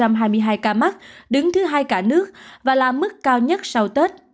ghi nhận hai hai mươi hai ca mắc đứng thứ hai cả nước và là mức cao nhất sau tết